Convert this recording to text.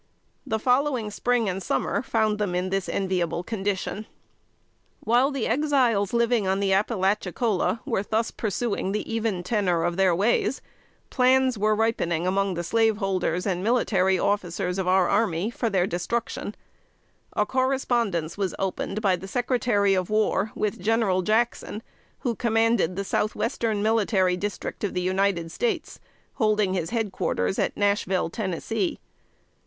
The following spring and summer found them in this enviable condition. [Sidenote: 1816.] While the Exiles living on the Appalachicola were thus pursuing the even tenor of their ways, plans were ripening among the slaveholders and military officers of our army for their destruction. A correspondence was opened by the Secretary of War with General Jackson, who commanded the Southwestern Military District of the United States, holding his head quarters at Nashville, Tennessee.